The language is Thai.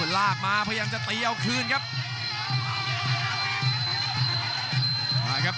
ลากมาพยายามจะตีเอาคืนครับ